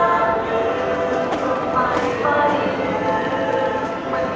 ขอบคุณทุกคนมากครับที่ทุกคนรัก